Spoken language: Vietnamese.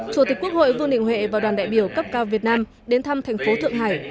chủ tịch quốc hội vương đình huệ và đoàn đại biểu cấp cao việt nam đến thăm thành phố thượng hải